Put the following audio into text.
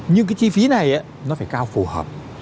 nhưng cái chi phí này nó phải cao phù hợp